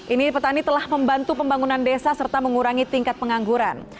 ini petani telah membantu pembangunan desa serta mengurangi tingkat pengangguran